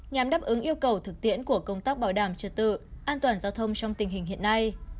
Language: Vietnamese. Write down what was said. nhằm đáp ứng yêu cầu thực tiễn của công tác bảo đảm trật tự an toàn giao thông trong tình hình hiện nay